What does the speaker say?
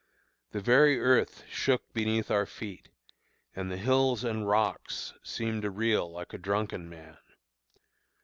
The very earth shook beneath our feet, and the hills and rocks seemed to reel like a drunken man.